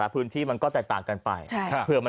พี่ทำยังไงฮะ